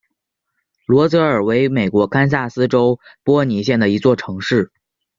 罗泽尔为美国堪萨斯州波尼县的一座城市。